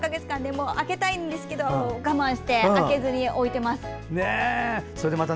開けたいんですけど我慢して、開けずに置いています。